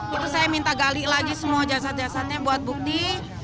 itu saya minta gali lagi semua jasad jasadnya buat bukti